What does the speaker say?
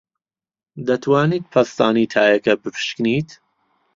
دەتوانیت پەستانی تایەکە بپشکنیت؟